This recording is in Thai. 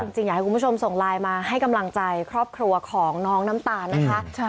อยากให้คุณผู้ชมส่งไลน์มาให้กำลังใจครอบครัวของน้องน้ำตาลนะคะ